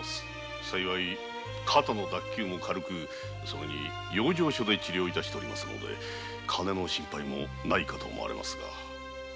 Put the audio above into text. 幸い肩の傷も軽くそれに養生所で治療致しておりますので金の心配もないかと思われます。